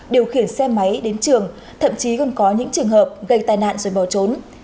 điều khiển xe máy đến trường thậm chí còn có những trường hợp gây tai nạn rồi bỏ trốn